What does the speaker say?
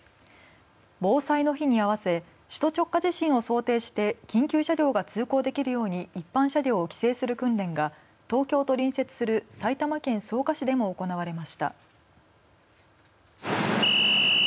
防災の日に合わせ首都直下地震を想定して緊急車両が通行できるように一般車両を規制する訓練が東京と隣接する埼玉県草加市でも行われました。